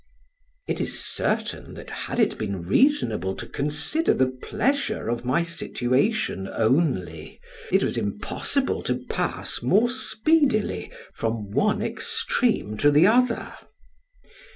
It is certain, that had it been reasonable to consider the pleasure of my situation only, it was impossible to pass more speedily from one extreme to the other.